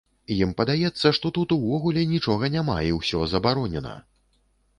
Ім падаецца, што тут увогуле нічога няма і ўсё забаронена!